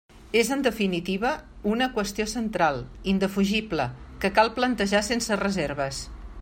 És, en definitiva, una qüestió central, indefugible, que cal plantejar sense reserves.